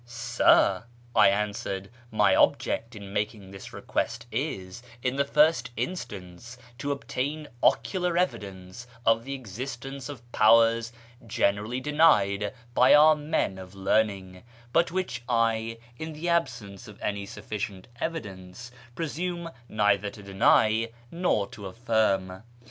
" Sir," I answered," my object in making this request is, in the first instance, to obtain ocular evidence of the existence of powers generally denied by our men of learning, but which I, in the absence of any sufficient evidence, presume neither to deny nor to affirm.